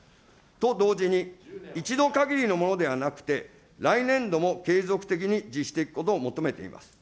と同時に、一度限りのものではなくて、来年度も継続的に実施していくことを求めています。